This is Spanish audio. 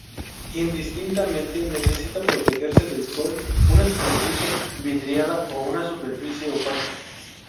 Indistintamente necesita protegerse del sol una superficie vidriada o una superficie opaca.